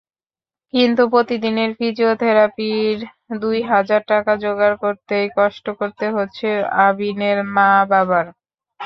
কিন্তু প্রতিদিনের ফিজিওথেরাপির দুই হাজার টাকা জোগাড় করতেই কষ্ট করতে হচ্ছে আভিনের মা-বাবার।